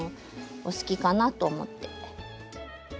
お好きかなと思って。